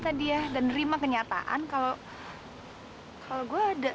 ternyata kah ada